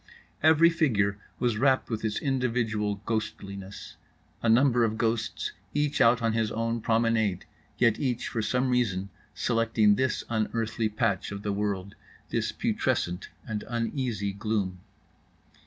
Every figure was wrapped with its individual ghostliness; a number of ghosts each out on his own promenade, yet each for some reason selecting this unearthly patch of the world, this putrescent and uneasy gloom.